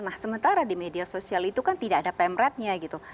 nah sementara di media sosial itu kan tidak ada pemretnya gitu